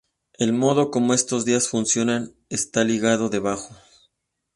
El modo como estos días funcionan está listado debajo.